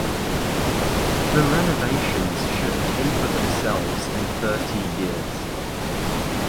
The renovations should pay for themselves in thirty years.